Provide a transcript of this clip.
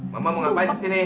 mama mau ngapain kesini